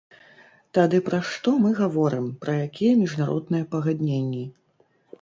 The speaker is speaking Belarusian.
Тады пра што мы гаворым, пра якія міжнародныя пагадненні?